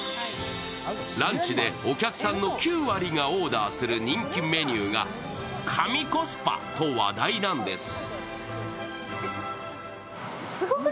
ランチでお客さんの９割がオーダーする人気メニューが神コスパと話題なんです。